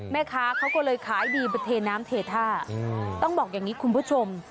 แม่ค้าเขาก็เลยขายดีไปเทน้ำเทท่าต้องบอกอย่างนี้คุณผู้ชม